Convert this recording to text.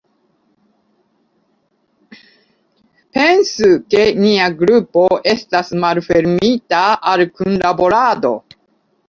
Pensu, ke nia grupo estas malfermita al kunlaborado.